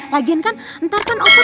lagian kan ntar kan apa